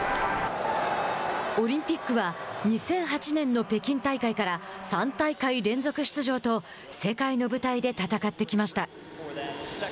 オリンピックは２００８年の北京大会から３大会連続出場と世界の舞台で戦ってきました。